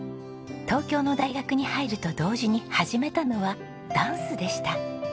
東京の大学に入ると同時に始めたのはダンスでした。